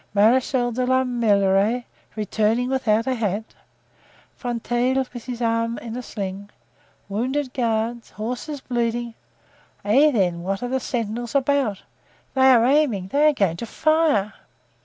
Marechal de la Meilleraie returning without a hat—Fontrailles with his arm in a sling—wounded guards—horses bleeding; eh, then, what are the sentinels about? They are aiming—they are going to fire!"